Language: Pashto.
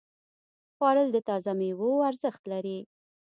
خوړل د تازه ميوو ارزښت لري